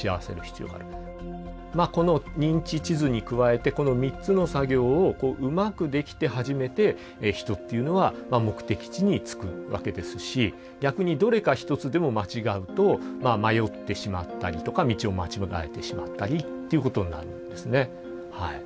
この認知地図に加えてこの３つの作業をうまくできて初めて人っていうのは目的地に着くわけですし逆にどれか一つでも間違うと迷ってしまったりとか道を間違えてしまったりっていうことになるんですね。